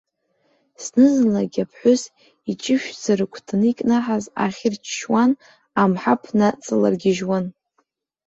Зны-зынлагьы аԥҳәыс, иҷышәшәӡа рыгәҭаны икнаҳаз ахьыруа-чуан амҳаԥ наҵалыргьежьуан.